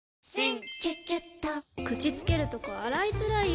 口つけるとこ洗いづらい！